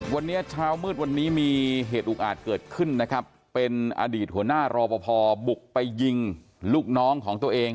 วันนี้เช้ามืดวันนี้มีเหตุอุกอาจเกิดขึ้นนะครับเป็นอดีตหัวหน้ารอปภบุกไปยิงลูกน้องของตัวเอง